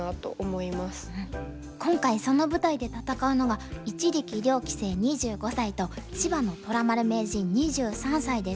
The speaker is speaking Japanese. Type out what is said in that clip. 今回その舞台で戦うのが一力遼棋聖２５歳と芝野虎丸名人２３歳です。